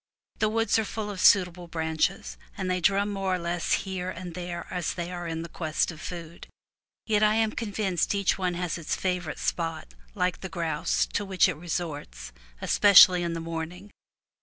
The woods are full of suitable branches, and they drum more or less here and there as they are in quest of food; yet I am convinced each one has its favorite spot, like the grouse, to which it resorts, especially in the morning.